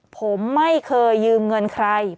ผมไม่เคยยืมเงินใคร